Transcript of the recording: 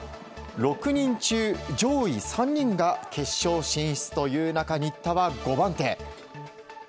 ６人中上位３人が決勝進出という中新田は５番手。